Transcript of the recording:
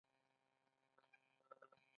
برېښنايي جریان په امپیر اندازه کېږي.